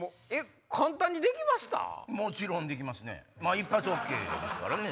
一発ＯＫですからね。